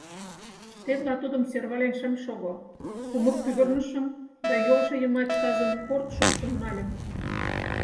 Тетла тудым сӧрвален шым шого, кумык пӱгырнышым да йолжо йымач тазым корт шупшын нальым.